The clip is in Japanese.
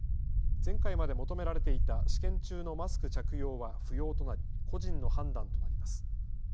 前回まで求められていた試験中のマスク着用は不要となり個人の判断となります。